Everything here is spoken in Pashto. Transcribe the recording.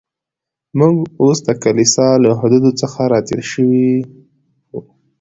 موږ اوس د کلیسا له حدودو څخه را تېر شوي و.